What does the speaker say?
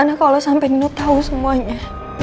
gimana kalo sampe nino tahu semuanya